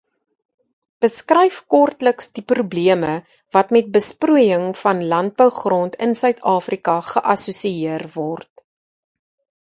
Beskryf kortliks die probleme wat met besproeiing van landbougrond in Suid-Afrika geassosieer word.